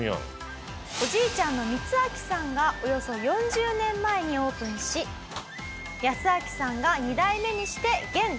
おじいちゃんのミツアキさんがおよそ４０年前にオープンしヤスアキさんが２代目にして現店主。